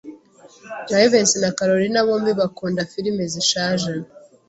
Jivency na Kalorina bombi bakunda firime zishaje.